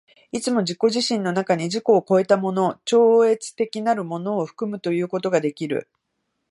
いつも自己自身の中に自己を越えたもの、超越的なるものを含むということができる。